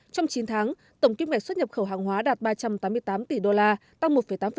trong chín tháng tổng kim ngạch xuất nhập khẩu hàng hóa đạt ba trăm tám mươi tám tỷ đô la tăng một tám